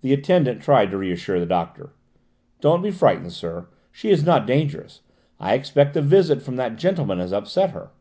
The attendant tried to reassure the doctor. "Don't be frightened, sir. She is not dangerous. I expect the visit from that gentleman has upset her."